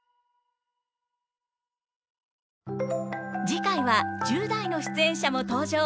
次回は１０代の出演者も登場！